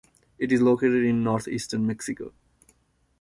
It is located in Northeastern Mexico.